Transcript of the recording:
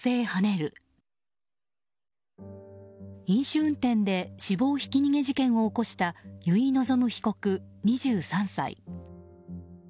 飲酒運転で死亡ひき逃げ事件を起こした由井希被告、２３歳。